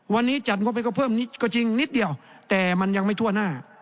วันนี้จัดงบไปก็เพิ่มนิดก็จริงนิดเดียวแต่มันยังไม่ทั่วหน้า